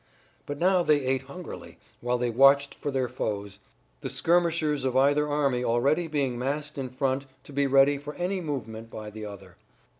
But now they ate hungrily while they watched for their foes, the skirmishers of either army already being massed in front to be ready for any movement by the other.